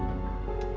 orang ada apa apa